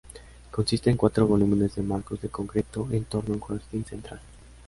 Consiste en cuatro volúmenes de marcos de concreto en torno a un jardín central.